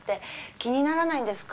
気にならないんですか？